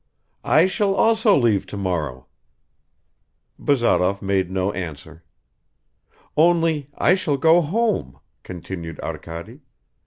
"I shall also leave tomorrow." Bazarov made no answer. "Only I shall go home," continued Arkady.